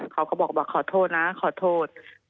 เขาก็บอกว่าขอโทษนะขอโทษ